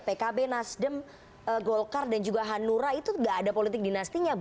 pkb nasdem golkar dan juga hanura itu tidak ada politik dinastinya